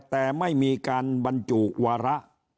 แต่ไม่มีการบรรจุวาระ